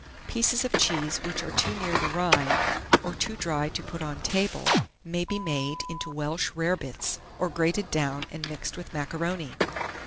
Pieces of cheese which are too near the rind, or too dry to put on table, may be made into Welsh rare bits, or grated down and mixed with macaroni.